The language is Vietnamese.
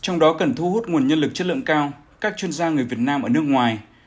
trong đó cần thu hút nguồn nhân lực chất lượng cao các chuyên gia người việt nam ở nước ngoài